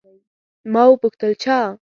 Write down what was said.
ما وپوښتل، چا؟